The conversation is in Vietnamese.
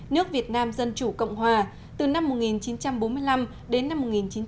nước việt nam dân chủ cộng hòa từ năm một nghìn chín trăm bốn mươi năm đến năm một nghìn chín trăm bảy mươi